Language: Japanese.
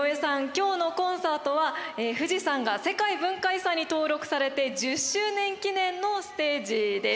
今日のコンサートは富士山が世界文化遺産に登録されて１０周年記念のステージです。